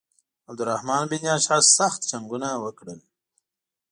عبدالرحمن بن اشعث سخت جنګونه وکړل.